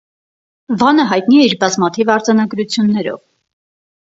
Վանը յայտնի է իր բազմաթիւ արձանագրութիւններով։